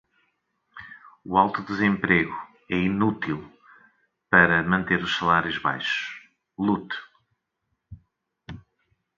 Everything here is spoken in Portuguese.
O alto desemprego é útil para manter os salários baixos. Lute.